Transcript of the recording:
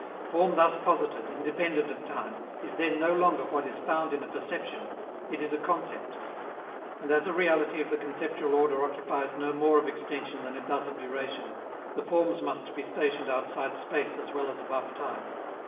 Form thus posited, independent of time, is then no longer what is found in a perception; it is a concept. And, as a reality of the conceptual order occupies no more of extension than it does of duration, the Forms must be stationed outside space as well as above time.